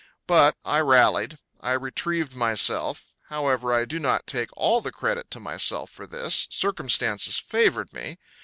But I rallied. I retrieved myself. However, I do not take all the credit to myself for this; circumstances favored me.